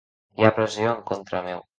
Hi ha pressió en contra meu.